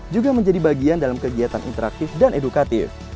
juga menjadi bagian dalam kegiatan interaktif dan edukatif